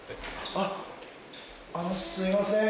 あのすいません。